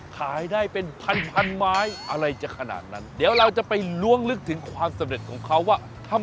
ขายได้เป็นพันพันไม้อะไรจะขนาดนั้นเดี๋ยวเราจะไปล้วงลึกถึงความสำเร็จของเขาว่า